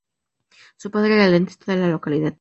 Su padre era el dentista de la localidad.